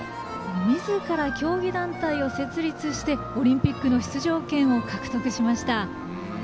みずから競技団体を設立してオリンピックの出場権を獲得しました。